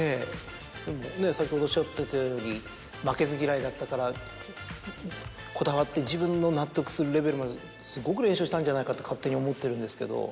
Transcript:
でもねぇ先ほどおっしゃってたように負けず嫌いだったからこだわって自分の納得するレベルまですごく練習したんじゃないかって勝手に思ってるんですけど。